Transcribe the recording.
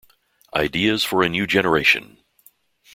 Ideas for a New Generation.